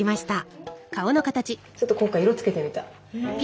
ちょっと今回色つけてみた。